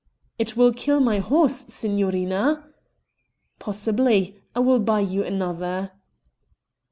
"It will kill my horse, signorina." "Possibly. I will buy you another."